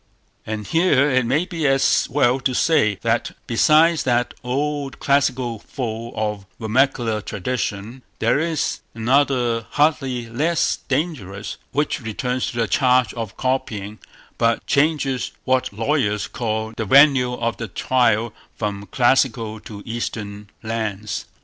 And here it may be as well to say, that besides that old classical foe of vernacular tradition, there is another hardly less dangerous, which returns to the charge of copying, but changes what lawyers call the venue of the trial from classical to Eastern lands.